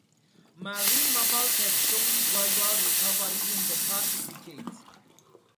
Marine mammals have shown gradual recovery in the past decades.